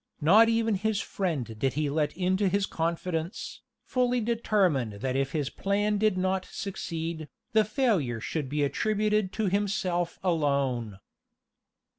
Not even his friend did he let into his confidence, fully determined that if his plan did not succeed, the failure should be attributed to himself alone.